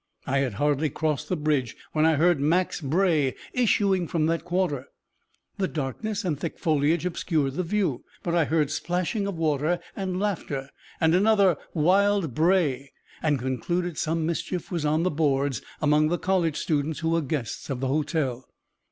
I had hardly crossed the bridge when I heard Mac's bray issuing from that quarter. The darkness and thick foliage obscured the view, but I heard splashing of water, and laughter, and another wild bray, and concluded some mischief was on the boards among the college students who were guests of the hotel.